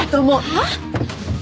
はっ？